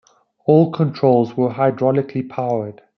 All controls were hydraulically-powered.